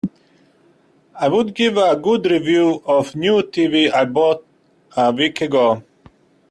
I would give a good review of the new TV I bought a week ago.